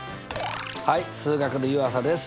はい数学の湯浅です。